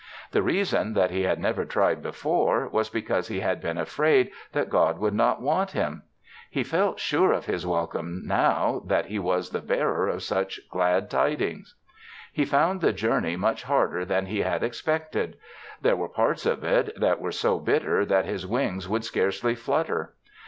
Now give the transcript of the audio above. The reason that he had never tried before was because he had been afraid that God would not want him. He felt sure of his welcome now that he was the bearer of such glad tidings. He found the journey much harder than he had expected. There were parts of it that were so bitter that his wings would scarcely flutter.